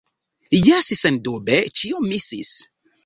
Jes, sendube ĉio misis.